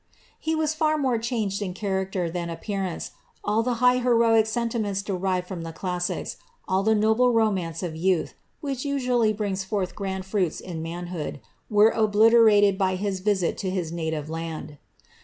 "' He was far more changed in chamrter than appearance ; all the high heroic sentiments deriv^ from the eht sics, all the noble romance of youth, which usually brings forth gnad fruits in manhood, were obliterate<i by his visit to his native land.